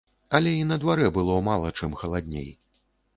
Але і на дварэ было мала чым халадней.